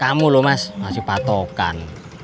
kamu loh mas masih patokan